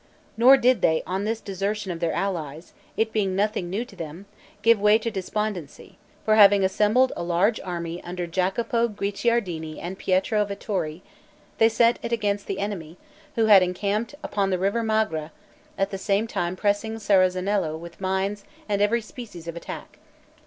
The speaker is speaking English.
Nor did they, on this desertion of their allies (it being nothing new to them) give way to despondency; for having assembled a large army under Jacopo Guicciardini and Pietro Vettori, they sent it against the enemy, who had encamped upon the river Magra, at the same time pressing Serezanello with mines and every species of attack.